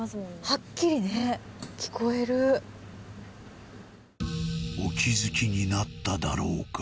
はっきりね聞こえるお気づきになっただろうか？